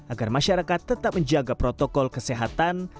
agar masyarakat tetap menjaga protokol kesehatan